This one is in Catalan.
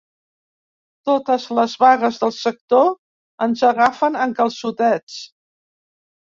Totes les vagues del sector ens agafen en calçotets.